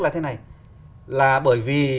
là thế này là bởi vì